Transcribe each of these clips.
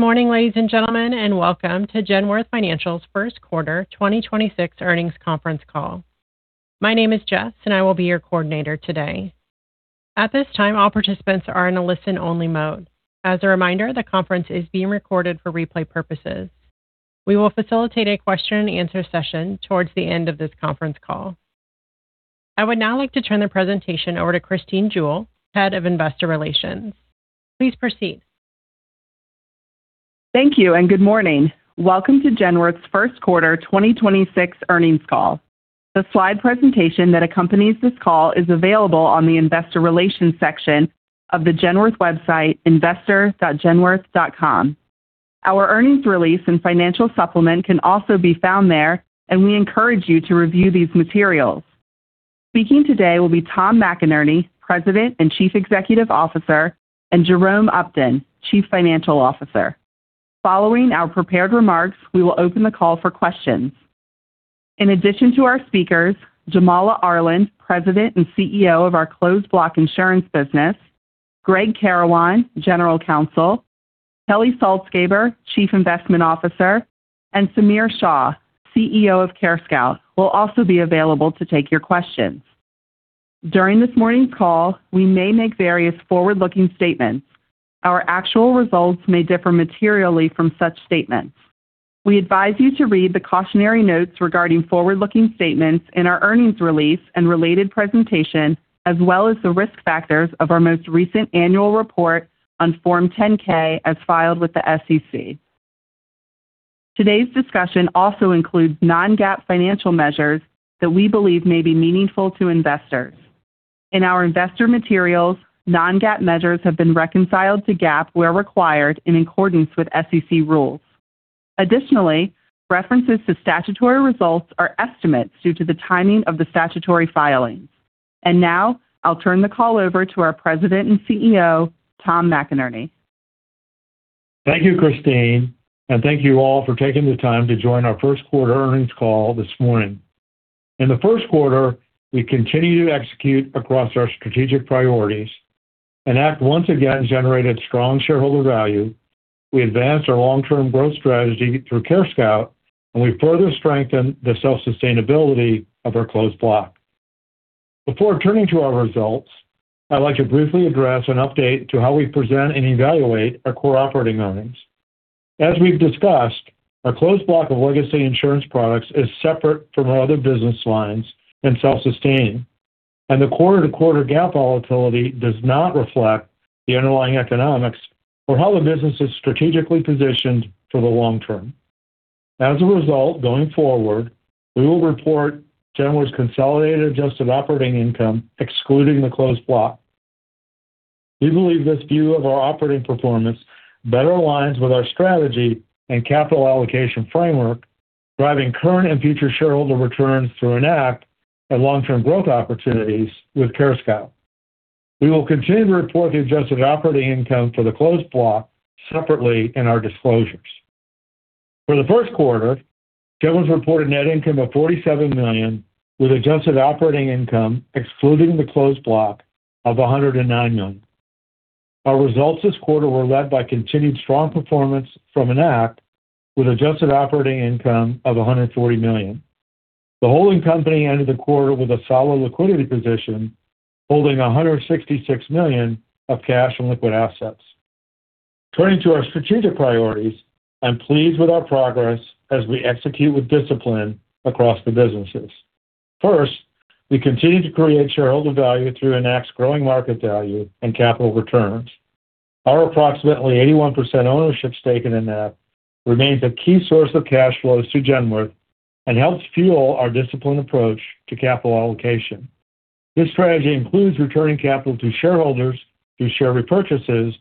Good morning, ladies and gentlemen, and welcome to Genworth Financial's first quarter 2026 earnings conference call. My name is Jess, and I will be your coordinator today. At this time, all participants are in a listen only mode. As a reminder, the conference is being recorded for replay purposes. We will facilitate a question and answer session towards the end of this conference call. I would now like to turn the presentation over to Christine Jewell, Head of Investor Relations. Please proceed. Thank you, and good morning. Welcome to Genworth's first quarter 2026 earnings call. The slide presentation that accompanies this call is available on the Investor Relations section of the Genworth website, investor.genworth.com. Our earnings release and financial supplement can also be found there, and we encourage you to review these materials. Speaking today will be Tom McInerney, President and Chief Executive Officer, and Jerome Upton, Chief Financial Officer. Following our prepared remarks, we will open the call for questions. In addition to our speakers, Jamala Arland, President and CEO of our Closed Block Insurance business, Gregg Karawan, General Counsel, Kelly Saltzgaber, Chief Investment Officer, and Samir Shah, CEO of CareScout, will also be available to take your questions. During this morning's call, we may make various forward-looking statements. Our actual results may differ materially from such statements. We advise you to read the cautionary notes regarding forward-looking statements in our earnings release and related presentation, as well as the risk factors of our most recent annual report on Form 10-K as filed with the SEC. Today's discussion also includes non-GAAP financial measures that we believe may bbe meaningful to investors. In our investor materials, non-GAAP measures have been reconciled to GAAP where required in accordance with SEC rules. Additionally, references to statutory results are estimates due to the timing of the statutory filings. Now I'll turn the call over to our President and CEO, Tom McInerney. Thank you, Christine. Thank you all for taking the time to join our first quarter earnings call this morning. In the first quarter, we continued to execute across our strategic priorities. Enact once again generated strong shareholder value. We advanced our long-term growth strategy through CareScout, and we further strengthened the self-sustainability of our Closed Block. Before turning to our results, I'd like to briefly address an update to how we present and evaluate our core operating earnings. As we've discussed, our Closed Block of legacy insurance products is separate from our other business lines and self-sustained, and the quarter-to-quarter GAAP volatility does not reflect the underlying economics or how the business is strategically positioned for the long term. As a result, going forward, we will report Genworth's consolidated adjusted operating income excluding the Closed Block. We believe this view of our operating performance better aligns with our strategy and capital allocation framework, driving current and future shareholder returns through Enact and long-term growth opportunities with CareScout. We will continue to report the adjusted operating income for the Closed Block separately in our disclosures. For the first quarter, Genworth's reported net income of $47 million, with adjusted operating income excluding the Closed Block of $109 million. Our results this quarter were led by continued strong performance from Enact with adjusted operating income of $140 million. The holding company ended the quarter with a solid liquidity position, holding $166 million of cash and liquid assets. Turning to our strategic priorities, I'm pleased with our progress as we execute with discipline across the businesses. First, we continue to create shareholder value through Enact's growing market value and capital returns. Our approximately 81% ownership stake in Enact remains a key source of cash flows to Genworth and helps fuel our disciplined approach to capital allocation. This strategy includes returning capital to shareholders through share repurchases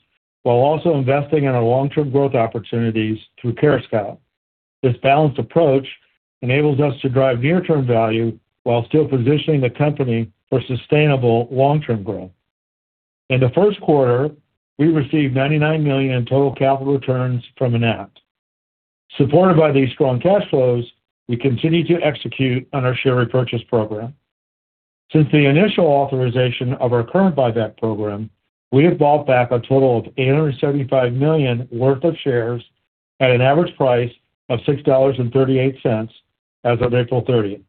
while also investing in our long-term growth opportunities through CareScout. This balanced approach enables us to drive near-term value while still positioning the company for sustainable long-term growth. In the first quarter, we received $99 million in total capital returns from Enact. Supported by these strong cash flows, we continued to execute on our share repurchase program. Since the initial authorization of our current buyback program, we have bought back a total of $875 million worth of shares at an average price of $6.38 as of April 30th.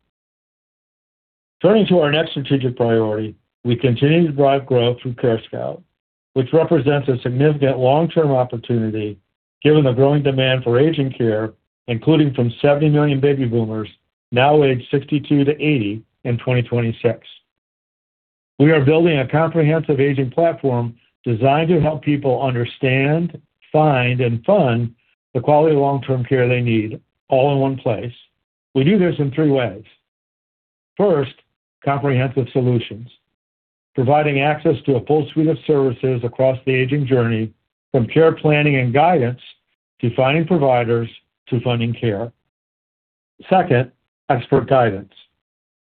Turning to our next strategic priority, we continue to drive growth through CareScout, which represents a significant long-term opportunity given the growing demand for aging care, including from 70 million baby boomers now aged 62-80 in 2026. We are building a comprehensive aging platform designed to help people understand, find, and fund the quality of long-term care they need, all in one place. We do this in three ways. First, comprehensive solutions, providing access to a full suite of services across the aging journey from care planning and guidance to finding providers to funding care. Second, expert guidance,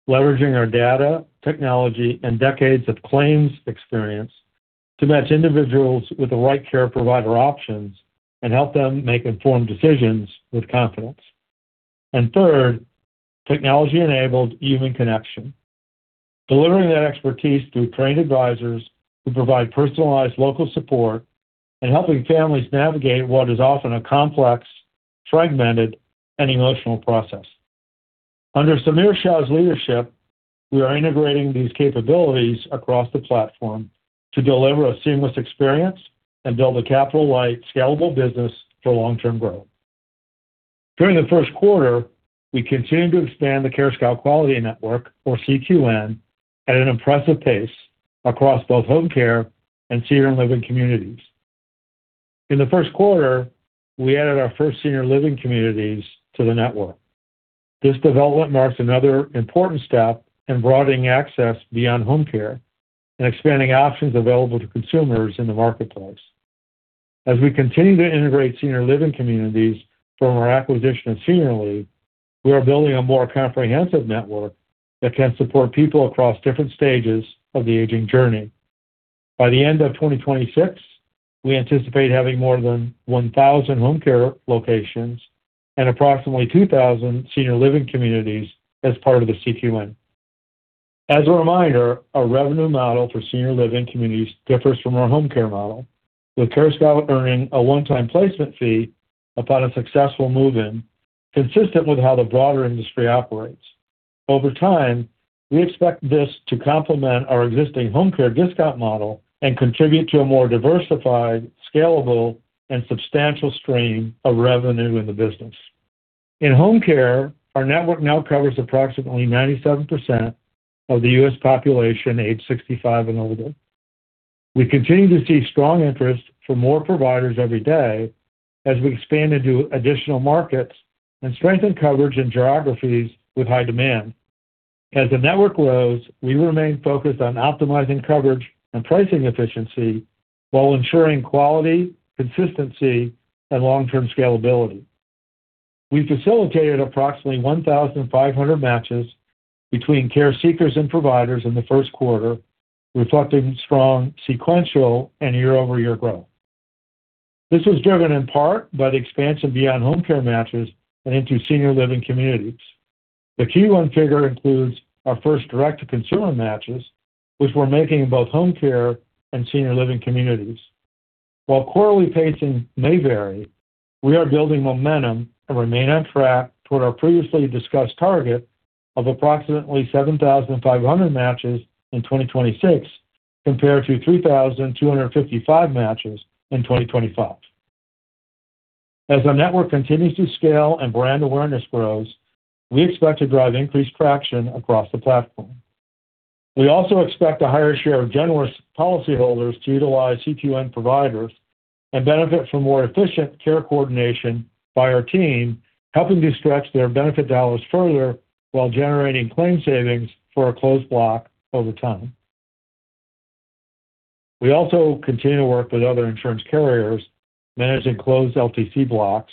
leveraging our data, technology, and decades of claims experience to match individuals with the right care provider options and help them make informed decisions with confidence. Third, technology-enabled human connection. Delivering that expertise through trained advisors who provide personalized local support and helping families navigate what is often a complex, fragmented, and emotional process. Under Samir Shah's leadership, we are integrating these capabilities across the platform to deliver a seamless experience and build a capital-light, scalable business for long-term growth. During the first quarter, we continued to expand the CareScout Quality Network, or CQN, at an impressive pace across both home care and senior living communities. In the first quarter, we added our first senior living communities to the network. This development marks another important step in broadening access beyond home care and expanding options available to consumers in the marketplace. As we continue to integrate senior living communities from our acquisition of Seniorly, we are building a more comprehensive network that can support people across different stages of the aging journey. By the end of 2026, we anticipate having more than 1,000 home care locations and approximately 2,000 senior living communities as part of the CQN. As a reminder, our revenue model for senior living communities differs from our home care model, with CareScout earning a one-time placement fee upon a successful move-in, consistent with how the broader industry operates. Over time, we expect this to complement our existing home care discount model and contribute to a more diversified, scalable, and substantial stream of revenue in the business. In home care, our network now covers approximately 97% of the U.S. population aged 65 and older. We continue to see strong interest from more providers every day as we expand into additional markets and strengthen coverage in geographies with high demand. As the network grows, we remain focused on optimizing coverage and pricing efficiency while ensuring quality, consistency, and long-term scalability. We facilitated approximately 1,500 matches between care seekers and providers in the first quarter, reflecting strong sequential and year-over-year growth. This was driven in part by the expansion beyond home care matches and into senior living communities. The Q1 figure includes our first direct-to-consumer matches, which we're making in both home care and senior living communities. While quarterly pacing may vary, we are building momentum and remain on track toward our previously discussed target of approximately 7,500 matches in 2026 compared to 3,255 matches in 2025. As our network continues to scale and brand awareness grows, we expect to drive increased traction across the platform. We also expect a higher share of Genworth's policyholders to utilize CQN providers and benefit from more efficient care coordination by our team, helping to stretch their benefit dollars further while generating claim savings for our closed block over time. We also continue to work with other insurance carriers managing closed LTC blocks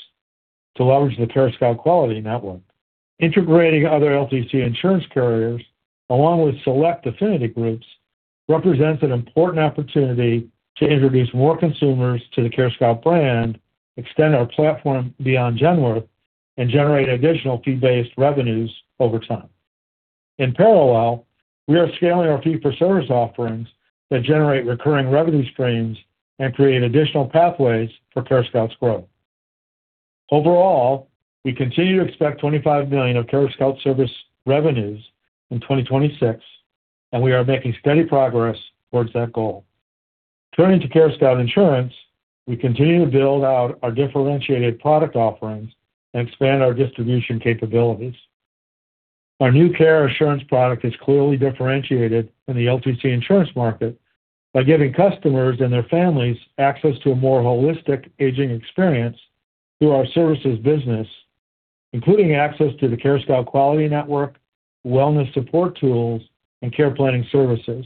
to leverage the CareScout Quality Network. Integrating other LTC insurance carriers along with select affinity groups represents an important opportunity to introduce more consumers to the CareScout brand, extend our platform beyond Genworth, and generate additional fee-based revenues over time. In parallel, we are scaling our fee-for-service offerings that generate recurring revenue streams and create additional pathways for CareScout's growth. Overall, we continue to expect $25 million of CareScout service revenues in 2026, and we are making steady progress towards that goal. Turning to CareScout Insurance, we continue to build out our differentiated product offerings and expand our distribution capabilities. Our new CareAssurance product is clearly differentiated in the LTC insurance market by giving customers and their families access to a more holistic aging experience through our services business, including access to the CareScout Quality Network, wellness support tools, and care planning services.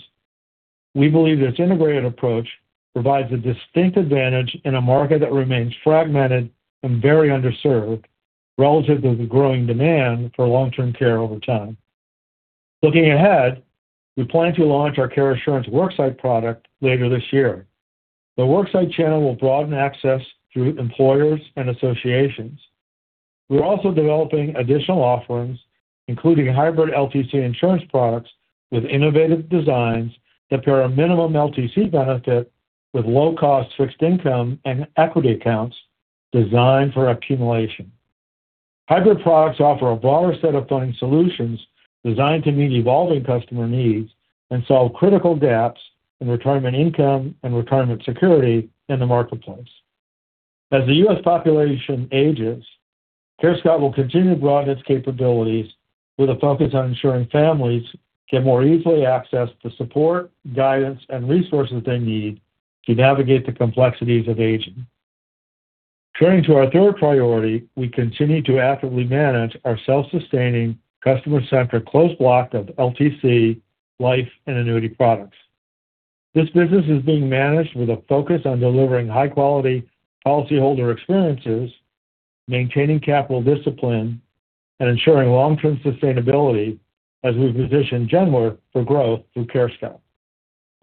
We believe this integrated approach provides a distinct advantage in a market that remains fragmented and very underserved relative to the growing demand for long-term care over time. Looking ahead, we plan to launch our CareAssurance worksite product later this year. The worksite channel will broaden access through employers and associations. We're also developing additional offerings, including hybrid LTC insurance products with innovative designs that pair a minimum LTC benefit with low-cost fixed income and equity accounts designed for accumulation. Hybrid products offer a broader set of funding solutions designed to meet evolving customer needs and solve critical gaps in retirement income and retirement security in the marketplace. As the U.S. population ages, CareScout will continue to broaden its capabilities with a focus on ensuring families can more easily access the support, guidance, and resources they need to navigate the complexities of aging. Turning to our third priority, we continue to actively manage our self-sustaining customer-centric Closed Block of LTC life and annuity products. This business is being managed with a focus on delivering high-quality policyholder experiences, maintaining capital discipline, and ensuring long-term sustainability as we position Genworth for growth through CareScout.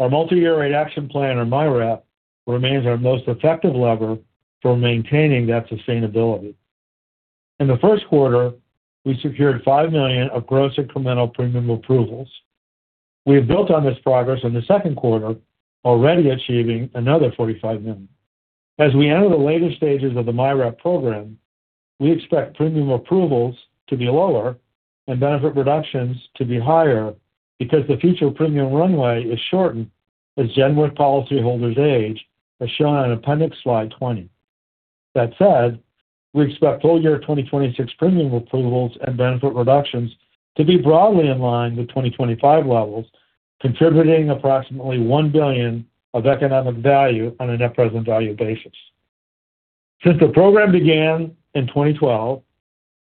Our Multi-Year Rate Action Plan, or MYRAP, remains our most effective lever for maintaining that sustainability. In the first quarter, we secured $5 million of gross incremental premium approvals. We have built on this progress in the second quarter, already achieving another $45 million. As we enter the later stages of the MYRAP program, we expect premium approvals to be lower and benefit reductions to be higher because the future premium runway is shortened as Genworth policyholders' age, as shown on appendix slide 20. That said, we expect full year 2026 premium approvals and benefit reductions to be broadly in line with 2025 levels, contributing approximately $1 billion of economic value on a net present value basis. Since the program began in 2012,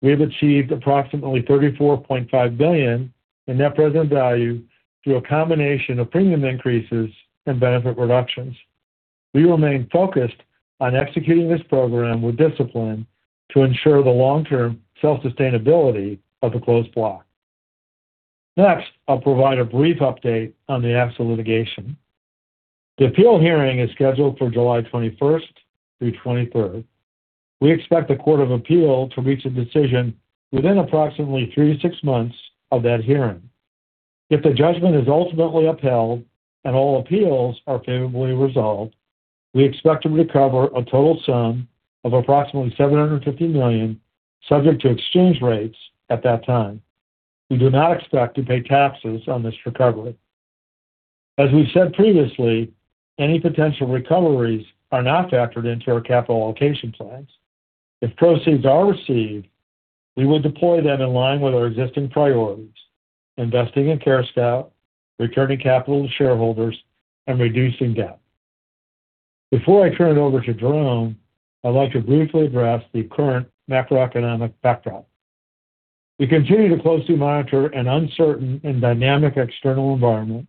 we have achieved approximately $34.5 billion in net present value through a combination of premium increases and benefit reductions. We remain focused on executing this program with discipline to ensure the long-term self-sustainability of the Closed Block. Next, I'll provide a brief update on the AXA litigation. The appeal hearing is scheduled for July 21st through 23rd. We expect the Court of Appeal to reach a decision within approximately 3 to 6 months of that hearing. If the judgment is ultimately upheld and all appeals are favorably resolved, we expect to recover a total sum of approximately $750 million, subject to exchange rates at that time. We do not expect to pay taxes on this recovery. As we said previously, any potential recoveries are not factored into our capital allocation plans. If proceeds are received, we will deploy them in line with our existing priorities, investing in CareScout, returning capital to shareholders, and reducing debt. Before I turn it over to Jerome, I'd like to briefly address the current macroeconomic backdrop. We continue to closely monitor an uncertain and dynamic external environment,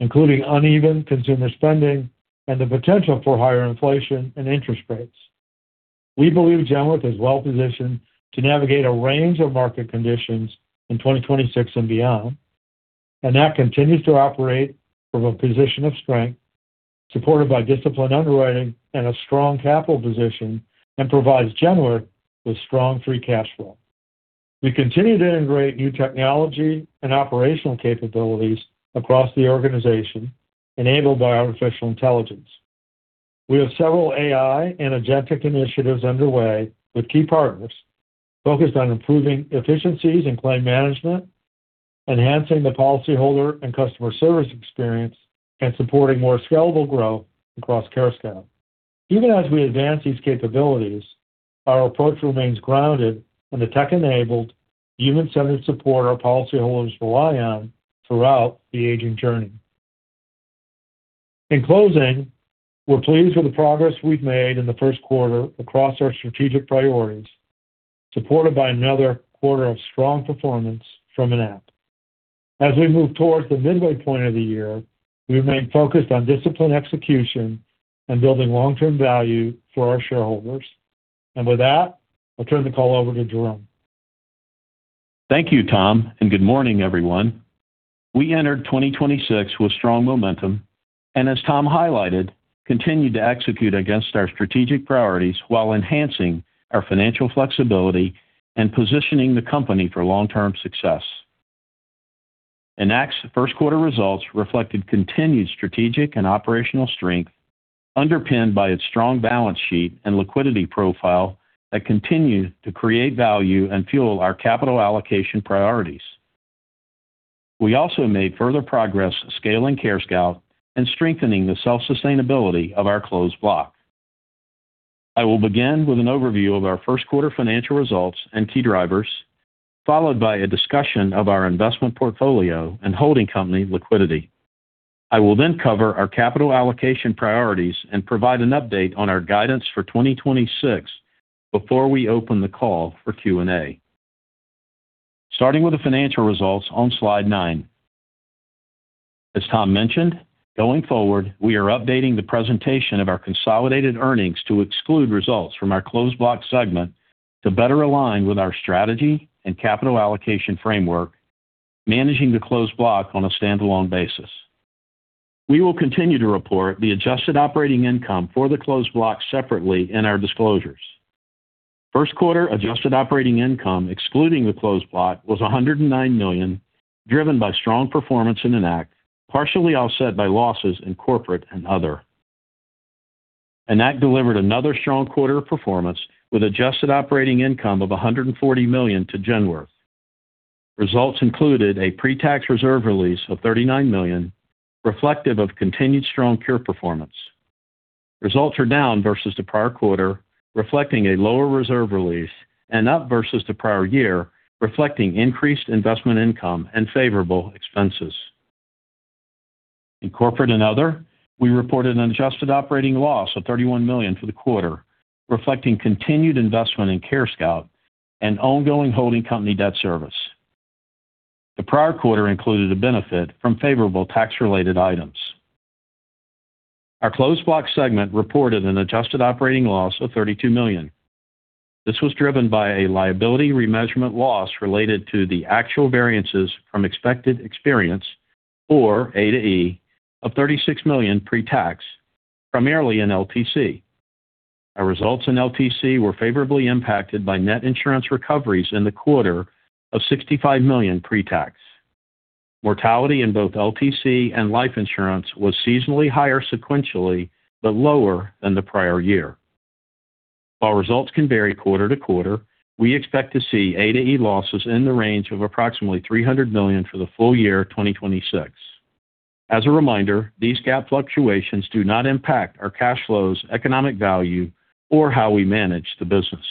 including uneven consumer spending and the potential for higher inflation and interest rates. We believe Genworth is well-positioned to navigate a range of market conditions in 2026 and beyond. Enact continues to operate from a position of strength, supported by disciplined underwriting and a strong capital position, and provides Genworth with strong free cash flow. We continue to integrate new technology and operational capabilities across the organization enabled by artificial intelligence. We have several AI and agentic initiatives underway with key partners focused on improving efficiencies in claim management, enhancing the policyholder and customer service experience, and supporting more scalable growth across CareScout. Even as we advance these capabilities, our approach remains grounded in the tech-enabled, human-centered support our policyholders rely on throughout the aging journey. In closing, we're pleased with the progress we've made in the first quarter across our strategic priorities, supported by another quarter of strong performance from Enact. As we move towards the midway point of the year, we remain focused on disciplined execution and building long-term value for our shareholders. With that, I'll turn the call over to Jerome. Thank you, Tom, and good morning, everyone. We entered 2026 with strong momentum and as Tom highlighted, continued to execute against our strategic priorities while enhancing our financial flexibility and positioning the company for long-term success. Enact's first quarter results reflected continued strategic and operational strength underpinned by its strong balance sheet and liquidity profile that continue to create value and fuel our capital allocation priorities. We also made further progress scaling CareScout and strengthening the self-sustainability of our Closed Block. I will begin with an overview of our first quarter financial results and key drivers, followed by a discussion of our investment portfolio and holding company liquidity. I will then cover our capital allocation priorities and provide an update on our guidance for 2026 before we open the call for Q&A. Starting with the financial results on slide 9. As Tom mentioned, going forward, we are updating the presentation of our consolidated earnings to exclude results from our Closed Block segment to better align with our strategy and capital allocation framework, managing the Closed Block on a standalone basis. We will continue to report the adjusted operating income for the Closed Block separately in our disclosures. First quarter adjusted operating income excluding the Closed Block was $109 million, driven by strong performance in Enact, partially offset by losses in corporate and other. Enact delivered another strong quarter of performance with adjusted operating income of $140 million to Genworth. Results included a pre-tax reserve release of $39 million, reflective of continued strong cure performance. Results are down versus the prior quarter, reflecting a lower reserve release, and up versus the prior year, reflecting increased investment income and favorable expenses. In corporate and other, we reported an adjusted operating loss of $31 million for the quarter, reflecting continued investment in CareScout and ongoing holding company debt service. The prior quarter included a benefit from favorable tax-related items. Our Closed Block segment reported an adjusted operating loss of $32 million. This was driven by a liability remeasurement loss related to the actual variances from expected experience, or A to E, of $36 million pre-tax. Primarily in LTC. Our results in LTC were favorably impacted by net insurance recoveries in the quarter of $65 million pre-tax. Mortality in both LTC and life insurance was seasonally higher sequentially, but lower than the prior year. While results can vary quarter to quarter, we expect to see A to E losses in the range of approximately $300 million for the full year 2026. As a reminder, these GAAP fluctuations do not impact our cash flows, economic value, or how we manage the business.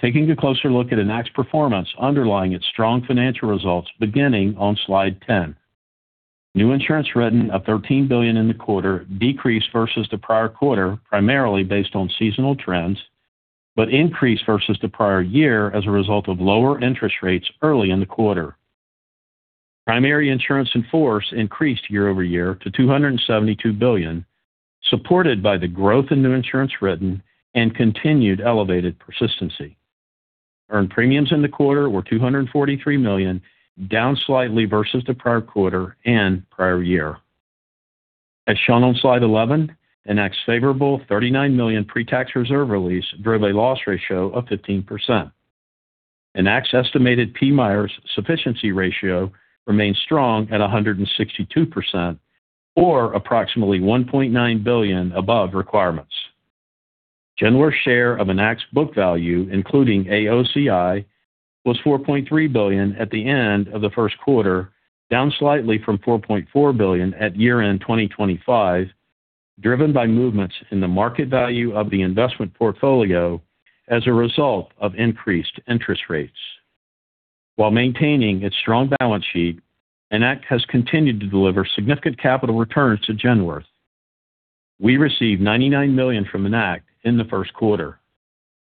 Taking a closer look at Enact's performance underlying its strong financial results beginning on slide 10. New insurance written of $13 billion in the quarter decreased versus the prior quarter, primarily based on seasonal trends, but increased versus the prior year as a result of lower interest rates early in the quarter. Primary insurance in force increased year-over-year to $272 billion, supported by the growth in new insurance written and continued elevated persistency. Earned premiums in the quarter were $243 million, down slightly versus the prior quarter and prior year. As shown on slide 11, Enact's favorable $39 million pre-tax reserve release drove a loss ratio of 15%. Enact's estimated PMIERs Sufficiency Ratio remains strong at 162% or approximately $1.9 billion above requirements. Genworth's share of Enact's book value, including AOCI, was $4.3 billion at the end of the first quarter, down slightly from $4.4 billion at year-end 2025, driven by movements in the market value of the investment portfolio as a result of increased interest rates. While maintaining its strong balance sheet, Enact has continued to deliver significant capital returns to Genworth. We received $99 million from Enact in the first quarter.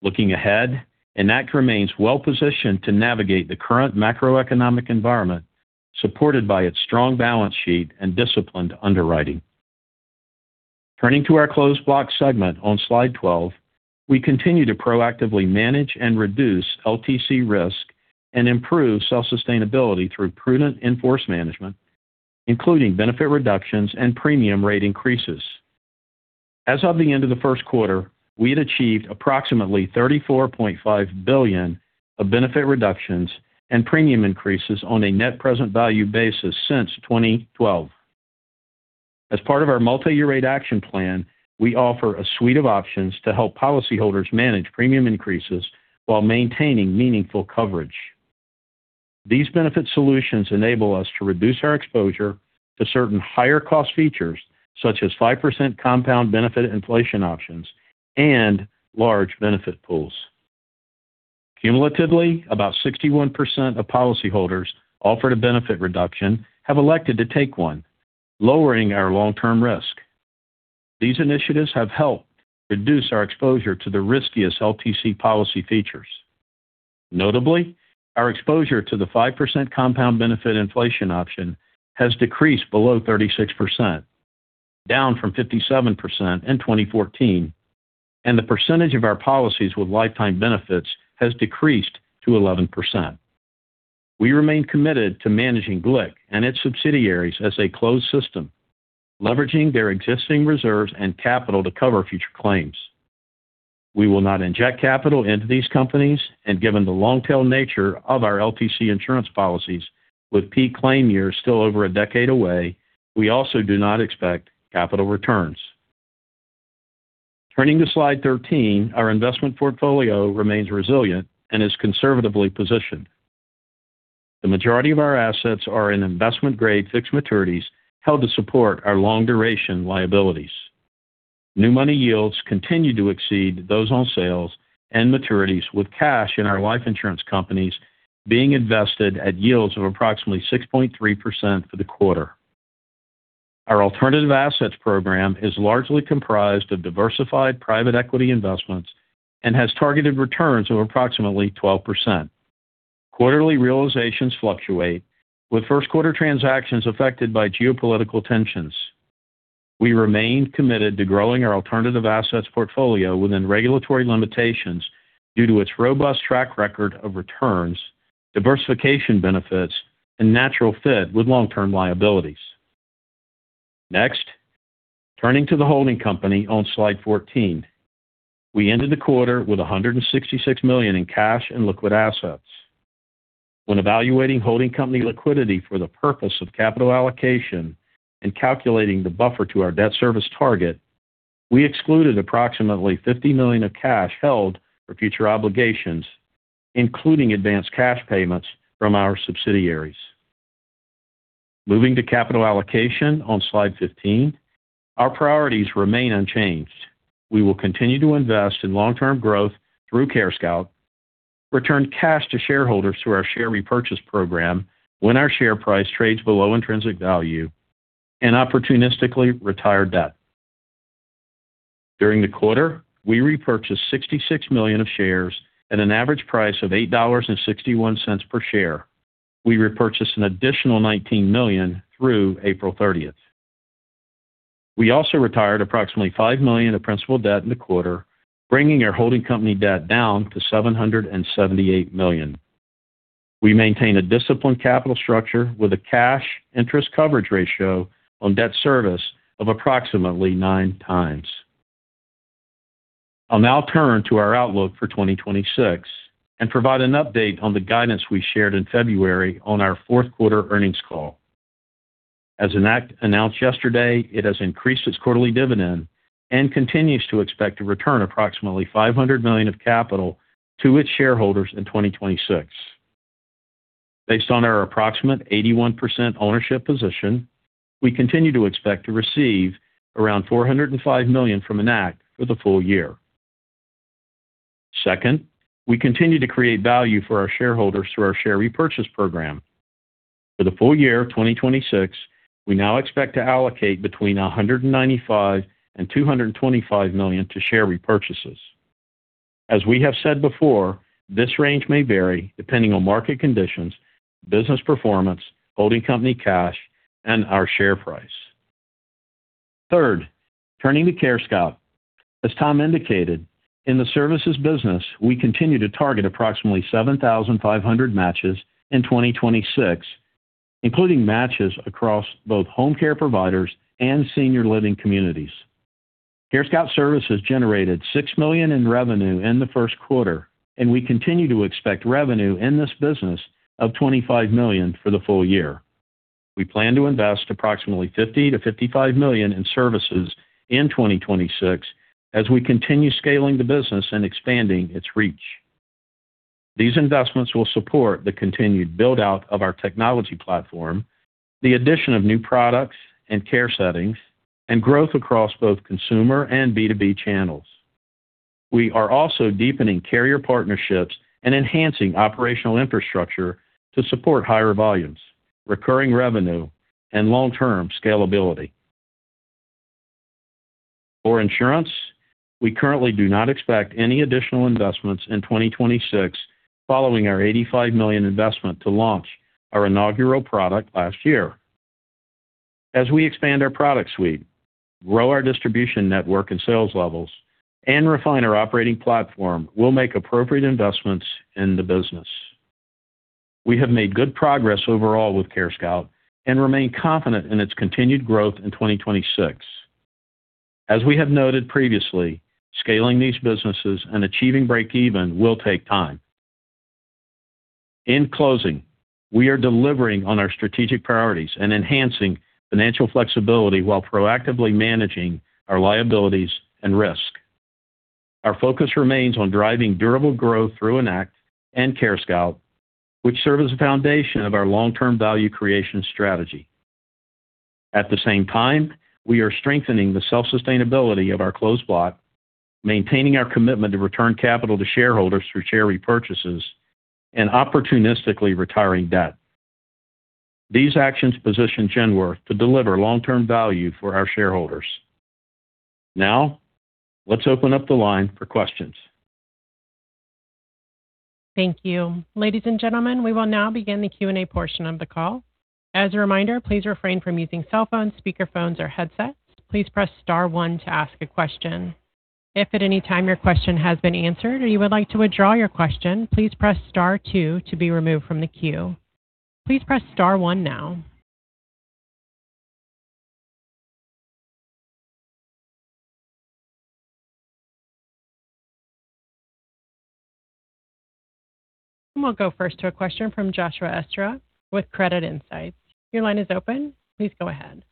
Looking ahead, Enact remains well-positioned to navigate the current macroeconomic environment, supported by its strong balance sheet and disciplined underwriting. Turning to our Closed Block segment on Slide 12, we continue to proactively manage and reduce LTC risk and improve self-sustainability through prudent in-force management, including benefit reductions and premium rate increases. As of the end of the first quarter, we had achieved approximately $34.5 billion of benefit reductions and premium increases on a net present value basis since 2012. As part of our Multi-Year Rate Action Plan, we offer a suite of options to help policyholders manage premium increases while maintaining meaningful coverage. These benefit solutions enable us to reduce our exposure to certain higher cost features, such as 5% compound benefit inflation options and large benefit pools. Cumulatively, about 61% of policyholders offered a benefit reduction have elected to take one, lowering our long-term risk. These initiatives have helped reduce our exposure to the riskiest LTC policy features. Notably, our exposure to the 5% compound benefit inflation option has decreased below 36%, down from 57% in 2014, and the percentage of our policies with lifetime benefits has decreased to 11%. We remain committed to managing GLIC and its subsidiaries as a closed system, leveraging their existing reserves and capital to cover future claims. We will not inject capital into these companies, and given the long-tail nature of our LTC insurance policies, with peak claim years still over a decade away, we also do not expect capital returns. Turning to slide 13, our investment portfolio remains resilient and is conservatively positioned. The majority of our assets are in investment-grade fixed maturities held to support our long-duration liabilities. New money yields continue to exceed those on sales and maturities, with cash in our life insurance companies being invested at yields of approximately 6.3% for the quarter. Our alternative assets program is largely comprised of diversified private equity investments and has targeted returns of approximately 12%. Quarterly realizations fluctuate, with 1st quarter transactions affected by geopolitical tensions. We remain committed to growing our alternative assets portfolio within regulatory limitations due to its robust track record of returns, diversification benefits, and natural fit with long-term liabilities. Next, turning to the holding company on slide 14. We ended the quarter with $166 million in cash and liquid assets. When evaluating holding company liquidity for the purpose of capital allocation and calculating the buffer to our debt service target, we excluded approximately $50 million of cash held for future obligations, including advanced cash payments from our subsidiaries. Moving to capital allocation on slide 15, our priorities remain unchanged. We will continue to invest in long-term growth through CareScout, return cash to shareholders through our share repurchase program when our share price trades below intrinsic value and opportunistically retire debt. During the quarter, we repurchased $66 million of shares at an average price of $8.61 per share. We repurchased an additional $19 million through April 30th. We also retired approximately $5 million of principal debt in the quarter, bringing our holding company debt down to $778 million. We maintain a disciplined capital structure with a cash interest coverage ratio on debt service of approximately 9x. I'll now turn to our outlook for 2026 and provide an update on the guidance we shared in February on our fourth quarter earnings call. As Enact announced yesterday, it has increased its quarterly dividend and continues to expect to return approximately $500 million of capital to its shareholders in 2026. Based on our approximate 81% ownership position, we continue to expect to receive around $405 million from Enact for the full year. Second, we continue to create value for our shareholders through our share repurchase program. For the full year of 2026, we now expect to allocate between $195 million and $225 million to share repurchases. As we have said before, this range may vary depending on market conditions, business performance, holding company cash, and our share price. Third, turning to CareScout. As Tom indicated, in the services business, we continue to target approximately 7,500 matches in 2026, including matches across both home care providers and senior living communities. CareScout Services generated $6 million in revenue in the 1st quarter, and we continue to expect revenue in this business of $25 million for the full year. We plan to invest approximately $50 million-$55 million in services in 2026 as we continue scaling the business and expanding its reach. These investments will support the continued build-out of our technology platform, the addition of new products and care settings, and growth across both consumer and B2B channels. We are also deepening carrier partnerships and enhancing operational infrastructure to support higher volumes, recurring revenue, and long-term scalability. For insurance, we currently do not expect any additional investments in 2026 following our $85 million investment to launch our inaugural product last year. As we expand our product suite, grow our distribution network and sales levels, and refine our operating platform, we'll make appropriate investments in the business. We have made good progress overall with CareScout and remain confident in its continued growth in 2026. As we have noted previously, scaling these businesses and achieving breakeven will take time. In closing, we are delivering on our strategic priorities and enhancing financial flexibility while proactively managing our liabilities and risk. Our focus remains on driving durable growth through Enact and CareScout, which serve as the foundation of our long-term value creation strategy. At the same time, we are strengthening the self-sustainability of our Closed Block, maintaining our commitment to return capital to shareholders through share repurchases, and opportunistically retiring debt. These actions position Genworth to deliver long-term value for our shareholders. Now, let's open up the line for questions. Thank you. We'll go first to a question from Josh Esterov with CreditSights. Your line is open. Please go ahead.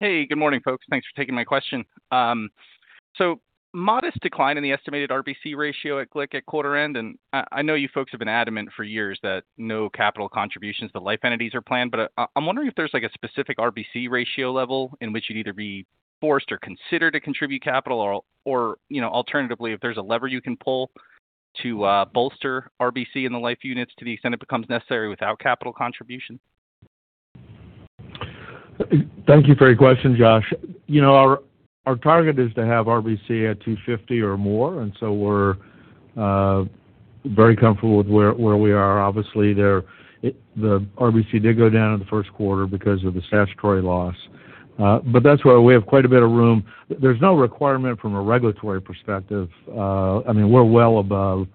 Hey, good morning, folks. Thanks for taking my question. Modest decline in the estimated RBC ratio at quarter end, and I know you folks have been adamant for years that no capital contributions to life entities are planned, but I'm wondering if there's like a specific RBC ratio level in which you'd either be forced or considered to contribute capital or, you know, alternatively, if there's a lever you can pull to bolster RBC in the life units to the extent it becomes necessary without capital contribution. Thank you for your question, Josh. You know, our target is to have RBC at 250 or more, we're very comfortable with where we are. Obviously, the RBC did go down in the first quarter because of the statutory loss, that's why we have quite a bit of room. There's no requirement from a regulatory perspective. I mean, we're well above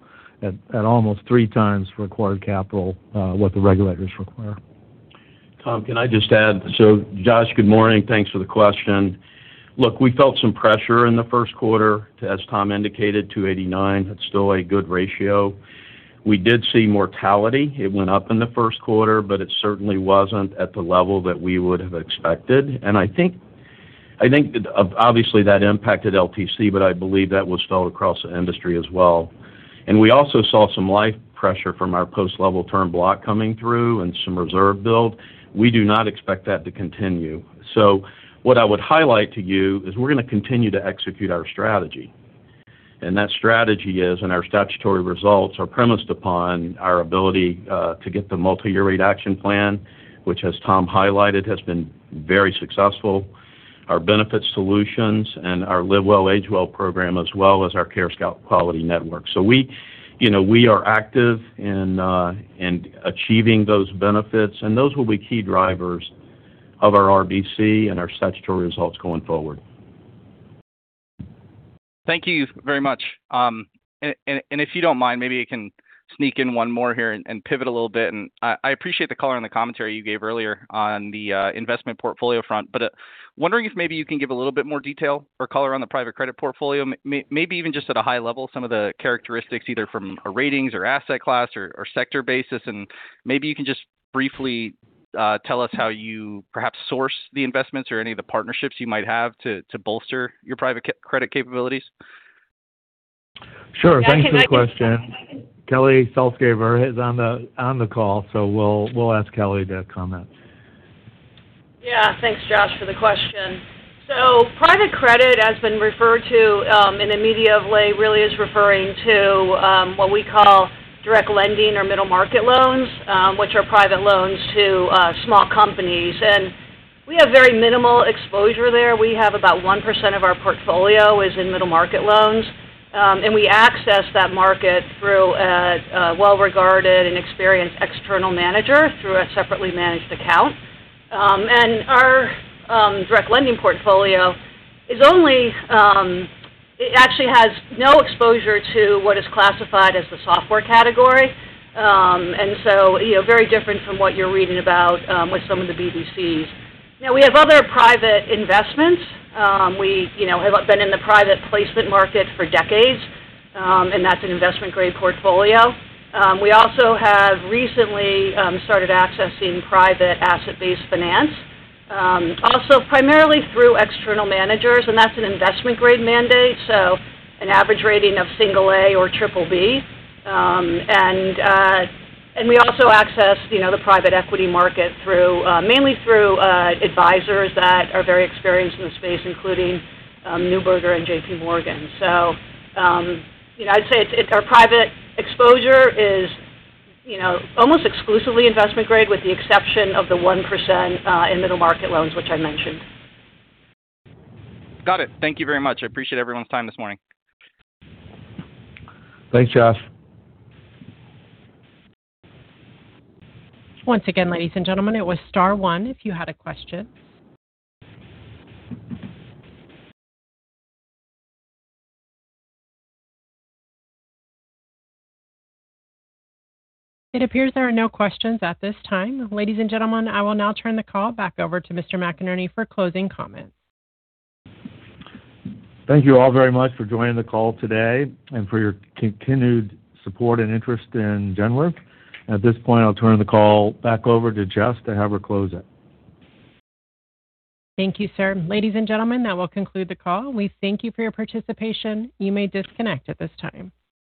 at almost 3 times required capital, what the regulators require. Tom, can I just add? Josh, good morning. Thanks for the question. Look, we felt some pressure in the first quarter. As Tom indicated, 289, it's still a good ratio. We did see mortality. It went up in the first quarter, but it certainly wasn't at the level that we would have expected. I think obviously that impacted LTC, but I believe that was felt across the industry as well. We also saw some life pressure from our post-level term block coming through and some reserve build. We do not expect that to continue. What I would highlight to you is we're gonna continue to execute our strategy. That strategy is, and our statutory results are premised upon our ability to get the Multi-Year Rate Action Plan, which, as Tom highlighted, has been very successful, our benefit solutions and our Live Well, Age Well program, as well as our CareScout Quality Network. We, you know, we are active in achieving those benefits, and those will be key drivers of our RBC and our statutory results going forward. Thank you very much. If you don't mind, maybe I can sneak in one more here and pivot a little bit. I appreciate the color and the commentary you gave earlier on the investment portfolio front. Wondering if maybe you can give a little bit more detail or color on the private credit portfolio, maybe even just at a high level, some of the characteristics either from a ratings or asset class or sector basis. Maybe you can just briefly tell us how you perhaps source the investments or any of the partnerships you might have to bolster your private credit capabilities. Sure. Thanks for the question. Kelly Saltzgaber is on the call, we'll ask Kelly to comment. Yeah. Thanks, Josh, for the question. Private credit, as been referred to, in the media of late, really is referring to what we call direct lending or middle market loans, which are private loans to small companies. We have very minimal exposure there. We have about 1% of our portfolio is in middle market loans. We access that market through a well-regarded and experienced external manager through a separately managed account. Our direct lending portfolio is only it actually has no exposure to what is classified as the software category. You know, very different from what you're reading about with some of the BDCs. Now, we have other private investments. We, you know, have been in the private placement market for decades, that's an investment-grade portfolio. We also have recently started accessing private asset-based finance, also primarily through external managers, and that's an investment-grade mandate, so an average rating of A or BBB. We also access, you know, the private equity market through, mainly through advisors that are very experienced in the space, including Neuberger and JP Morgan. You know, I'd say it's our private exposure is, you know, almost exclusively investment grade with the exception of the 1% in middle market loans, which I mentioned. Got it. Thank you very much. I appreciate everyone's time this morning. Thanks, Josh. Once again, ladies and gentlemen, it was star one if you had a question. It appears there are no questions at this time. Ladies and gentlemen, I will now turn the call back over to Mr. McInerney for closing comments. Thank you all very much for joining the call today and for your continued support and interest in Genworth. At this point, I'll turn the call back over to Jess to have her close it. Thank you, sir. Ladies and gentlemen, that will conclude the call. We thank you for your participation. You may disconnect at this time.